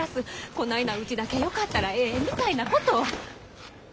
こないなうちだけよかったらええみたいなこと。